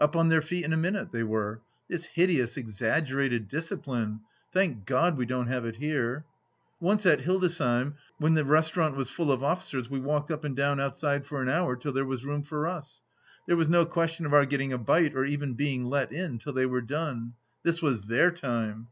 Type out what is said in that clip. Up on their feet in a minute — ^they were 1 This hideous exaggerated discipline !... Thank God we don't have it here. Once at Hildesheim, when the restaurant was full of ofiicers, we walked up and down outside for an hour till there was room for us. There was no question of our getting a bite or even being let in till they were done. This was their time.